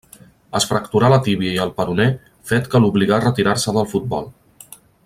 Es fracturà la tíbia i el peroné, fet que l'obligà a retirar-se del futbol.